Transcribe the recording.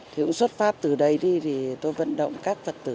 thì cũng xuất phát từ đây đi thì tôi vận động các phật tử